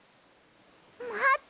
まって！